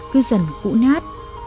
cứ dần cũ nát